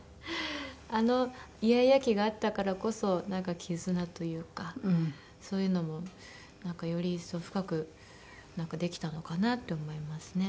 あのイヤイヤ期があったからこそなんか絆というかそういうのもなんかより一層深くできたのかなって思いますね。